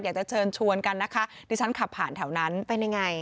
อยากจะเชิญชวนกันนะคะที่ฉันขับผ่านแถวนั้นเป็นยังไง